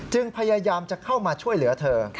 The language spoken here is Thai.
พยายามจะเข้ามาช่วยเหลือเธอ